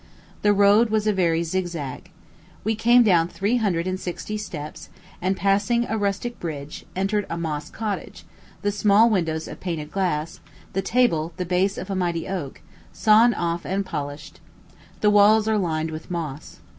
The road was a very zigzag. We came down three hundred and sixty steps, and, passing a rustic bridge, entered a moss cottage, the small windows of painted glass, the table the base of a mighty oak, sawn off and polished. The walls are lined with moss.